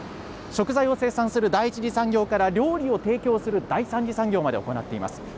食材を生産する第１次産業から料理を提供する第３次産業まで行っています。